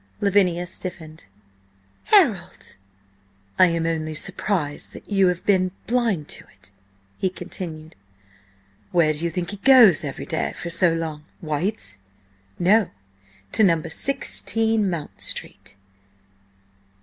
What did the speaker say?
Lavinia stiffened. "Harold!" "I am only surprised that you have been blind to it," he continued. "Where do you think he goes every day for so long? White's? No. To 16 Mount Street!